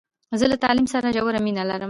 زه له تعلیم سره ژوره مینه لرم.